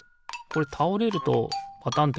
これたおれるとパタン